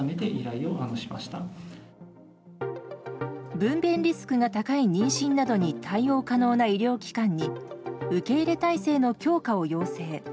分娩リスクが高い妊娠などに対応可能な医療機関に受け入れ態勢の強化を要請。